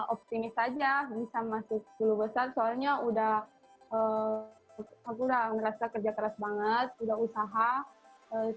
optimis saja bisa masuk sepuluh besar soalnya aku sudah merasa kerja keras banget sudah usaha semoga saja bisa jadi dbl elites jaya dua